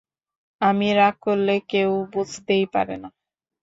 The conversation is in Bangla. আমি রাগ করলে কেউ বুঝতেই পারেনা।